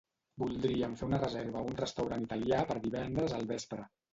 Voldríem fer una reserva a un restaurant italià per divendres al vespre.